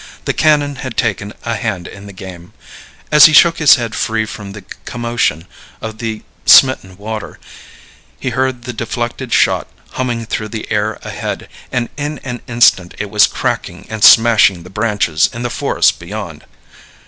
The cannon had taken a hand in the game. As he shook his head free from the commotion of the smitten water he heard the deflected shot humming through the air ahead, and in an instant it was cracking and smashing the branches in the forest beyond.